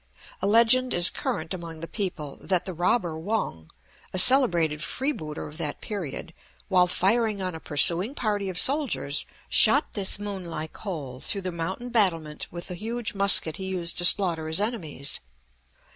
A legend is current among the people, that the robber Wong, a celebrated freebooter of that period, while firing on a pursuing party of soldiers, shot this moon like hole through the mountain battlement with the huge musket he used to slaughter his enemies.